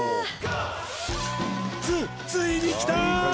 つついにきたー！